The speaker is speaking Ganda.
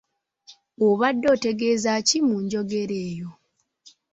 Obadde otegeeza ki mu njogera eyo?